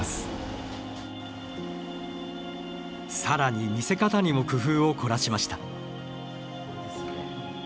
更に見せ方にも工夫を凝らしました。